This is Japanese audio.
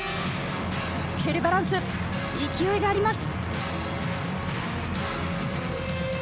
スケールバランス、勢いがあります。